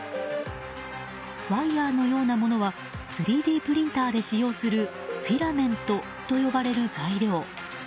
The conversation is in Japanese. ワイヤのようなものは３Ｄプリンターで使用するフィラメントと呼ばれる材料。